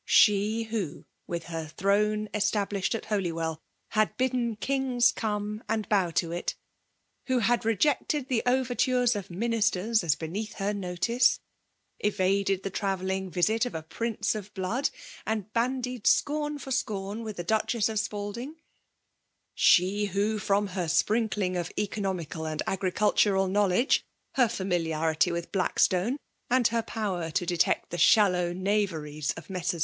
She who, with her throne esta blished at Holywell, had bidden " kings come and bow to it," — who had rejected the over tures of ministers as beneath her notice, — evaded the travelling visit of a Prince of the PBMAI^B IX>MINATiON. S33 Blood, — aBd bandied scorn for scorn with the Duchess of Spalding; — she who^ from her sprinkling of economical and agricultural knowledge, — ^her familiarity with Blackstone* and her power to detect the shallow knaveries of Messrs.